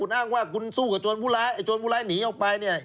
คุณอ้างว่าคุณสู้กับโจรบุร้ายโจรบุร้ายหนีออกไปเนี่ย